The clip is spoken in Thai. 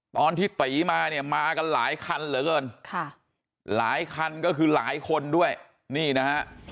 ตอนที่ตีมาเนี่ยมากันหลายคันเหลือเกินค่ะหลายคันก็คือหลายคนด้วยนี่นะฮะ